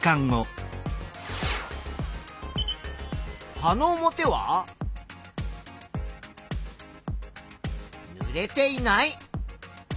葉の表はぬれていない。